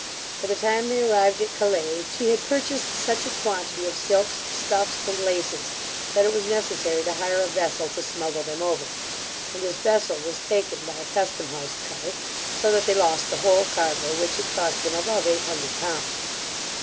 By the time they arrived at Calais, she had purchased such a quantity of silks, stuffs, and laces, that it was necessary to hire a vessel to smuggle them over, and this vessel was taken by a custom house cutter; so that they lost the whole cargo, which had cost them above eight hundred pounds.